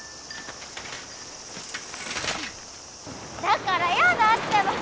だからやだってば。